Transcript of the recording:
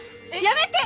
やめて！